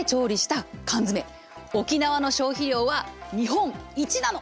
沖縄の消費量は日本一なの！